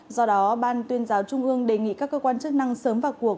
do đó ban tuyên giáo trung ương đề nghị các cơ quan chức năng sớm vào cuộc